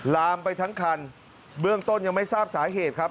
ลามไปทั้งคันเบื้องต้นยังไม่ทราบสาเหตุครับ